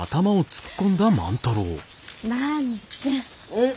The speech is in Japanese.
うん？